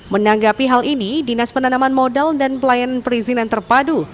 menanggapi hal ini dinas penanaman modal dan pelayanan perizinan terpadu